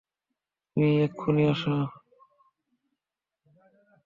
তুমি এক্ষুনি আসো।